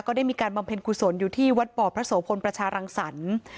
ได้มีการบำเพ็ญกุศลอยู่ที่วัดบ่อพระโสพลประชารังสรรค์